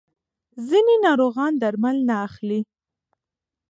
ځینې ناروغان درمل نه اخلي.